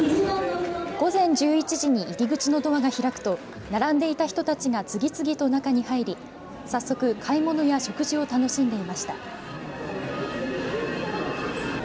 午前１１時に入り口のドアが開くと並んでいた人たちが次々と中に入り早速、買い物や食事を楽しんでいました。